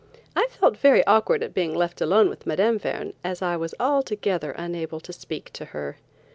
I felt very awkward at being left alone with Mme. Verne, as I was altogether unable to speak to her.